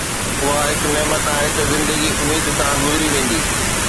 اها هڪ نعمت آهي ته زندگي اميد سان گذري ويندي